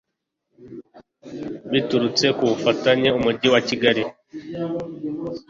biturutse ku bufatanye umujyi wa kigali